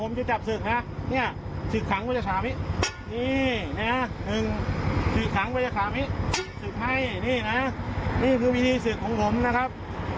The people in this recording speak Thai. นี่คือวิธีสืบของผมนะครับอย่าไปทำอีกนะครับ